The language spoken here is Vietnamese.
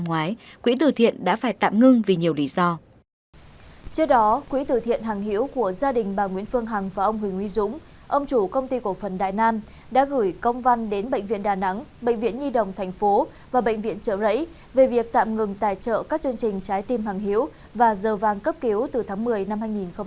ông chủ công ty cổ phần đại nam đã gửi công văn đến bệnh viện đà nẵng bệnh viện nhi đồng thành phố và bệnh viện trợ rẫy về việc tạm ngừng tài trợ các chương trình trái tim hàng hữu và giờ vàng cấp cứu từ tháng một mươi năm hai nghìn hai mươi một